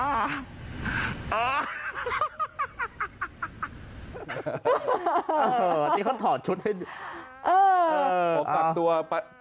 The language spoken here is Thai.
อันนี้เขาถอดชุดให้ดู